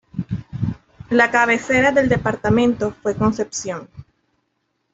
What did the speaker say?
La cabecera del departamento fue Concepción.